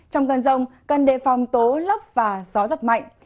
trong cơn rông cơn đệ phong tố lấp và gió giật mạnh